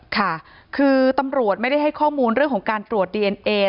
ค่ะคือตำรวจไม่ได้ให้ข้อมูลเรื่องของการตรวจดีเอ็นเอ